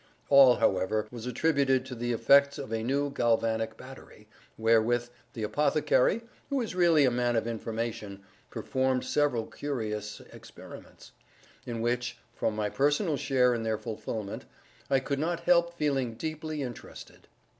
All, however, was attributed to the effects of a new galvanic battery, wherewith the apothecary, who is really a man of information, performed several curious experiments, in which, from my personal share in their fulfillment, I could not help feeling deeply interested.